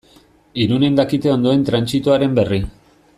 Irunen dakite ondoen trantsitoaren berri.